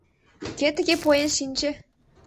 Кӧ тыге поен шинче?..